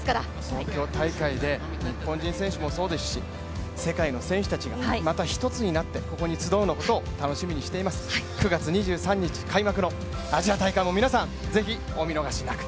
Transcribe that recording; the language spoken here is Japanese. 東京大会で日本人選手もそうですし世界の選手たちが、また一つになってここに集うことを楽しみにしています、９月２３日開幕のアジア大会も皆さん、ぜひお見逃しなく。